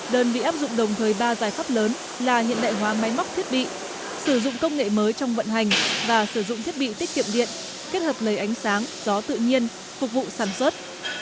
đơn vị áp dụng đồng thời ba giải pháp lớn là hiện đại hóa máy móc thiết bị sử dụng công nghệ mới trong vận hành và sử dụng thiết bị tiết kiệm điện kết hợp lấy ánh sáng gió tự nhiên phục vụ sản xuất